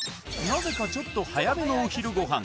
なぜかちょっと早めのお昼ご飯